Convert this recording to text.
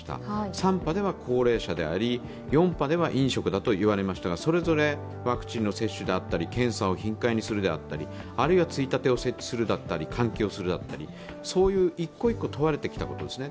３波では高齢者であり、４波では飲食といわれましたがそれぞれワクチンの接種であったり、検査を頻回にするであったりあるいは、ついたてを設置するだったり、換気をするだったり、そういう一個一個問われてきたことですね。